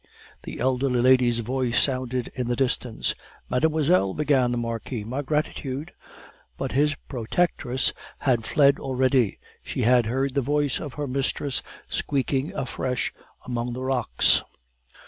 The elderly lady's voice sounded in the distance. "Mademoiselle," began the Marquis, "my gratitude " But his protectress had fled already; she had heard the voice of her mistress squeaking afresh among the rocks.